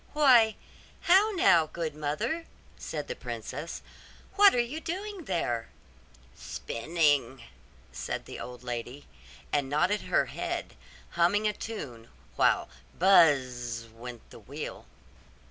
'Why, how now, good mother,' said the princess; 'what are you doing there?' 'Spinning,' said the old lady, and nodded her head, humming a tune, while buzz! went the wheel.